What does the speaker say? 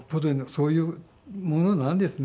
そういうものなんですね